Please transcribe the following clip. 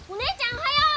おはよう！